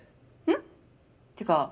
ん？ってか